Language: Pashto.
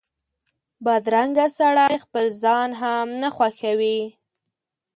بدرنګه سړی خپل ځان هم نه خوښوي